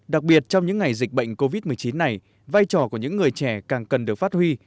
đặc biệt trong những ngày dịch bệnh covid một mươi chín này vai trò của những người trẻ càng cần được phát huy